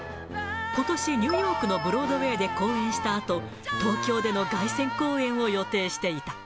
ことしニューヨークのブロードウェイで公演したあと、東京での凱旋公演を予定していた。